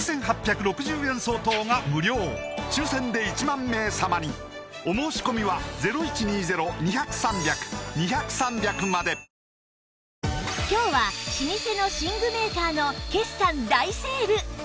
４８６０円相当が無料抽選で１万名様にお申し込みは今日は老舗の寝具メーカーの決算大セール！